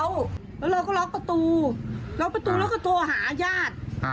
แล้วเราก็ล็อกประตูล็อกประตูแล้วก็โทรหาญาติ